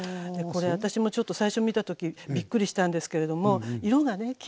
これ私もちょっと最初見た時びっくりしたんですけれども色がね